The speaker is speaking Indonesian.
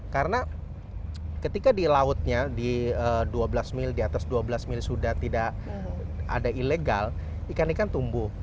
karena ketika di lautnya di dua belas mil di atas dua belas mil sudah tidak ada ilegal ikan ikan tumbuh